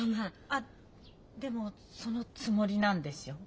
あっでもそのつもりなんでしょう？